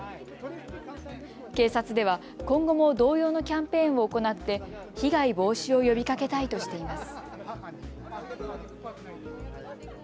警察では今後も同様のキャンペーンを行って被害防止を呼びかけたいとしています。